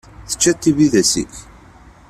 Teččiḍ tibidas-ik?